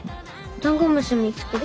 ダンゴムシ見つけた。